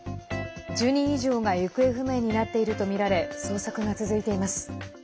１０人以上が行方不明になっているとみられ捜索が続いています。